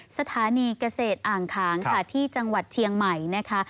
สถานีเกษตรอ่างขางค่ะที่จังหวัดเชียงใหม่นะคะ